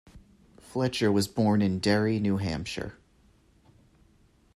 Fletcher was born in Derry, New Hampshire.